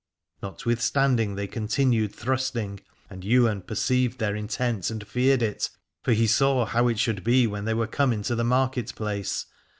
Notwithstanding they continued thrusting, and Ywain perceived their intent, and feared it, for he saw how it should be when they were come into the market place.